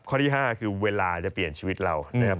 ข้อที่๕คือเวลาจะเปลี่ยนชีวิตเรานะครับ